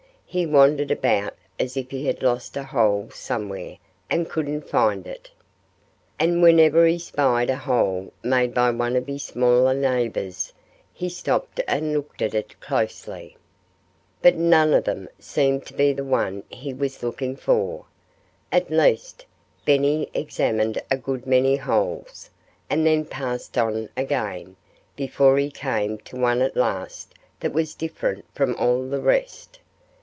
He wandered about as if he had lost a hole somewhere and couldn't find it. And whenever he spied a hole made by one of his smaller neighbors he stopped and looked at it closely. But none of them seemed to be the one he was looking for. At least, Benny examined a good many holes, and then passed on again, before he came to one at last that was different from all the rest.